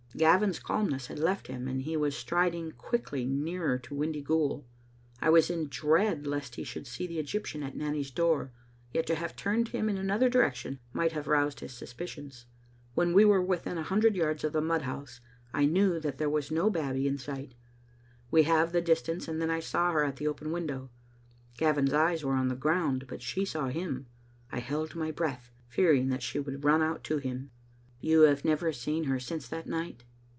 " Gavin's calmness had left him, and he was striding quickly nearer to Windyghoul. I was in dread lest he should see the Egyptian at Nanny's door, yet to have turned him in another direction might have roused his suspicions. When we were within a hundred yards of the mudhouse, I knew that there was no Babbie in sight.' We halved the distance and then I saw her at the open window. Gavin's eyes were on the ground, but she saw him. I held my breath, fearing that she would run out to him. " You have never seen her since that night?"